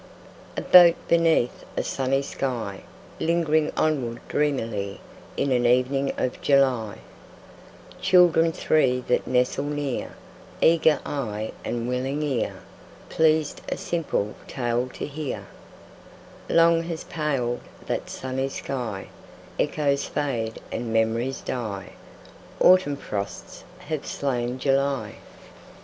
A boat beneath a sunny sky, Lingering onward dreamily In an evening of July— Children three that nestle near, Eager eye and willing ear, Pleased a simple tale to hear— Long has paled that sunny sky: Echoes fade and memories die. Autumn frosts have slain July.